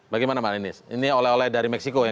bagaimana mbak ninis ini oleh oleh dari meksiko ya